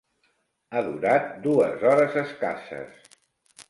Ha durat dues hores escasses.